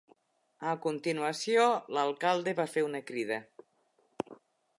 A continuació, l'alcalde va fer una crida.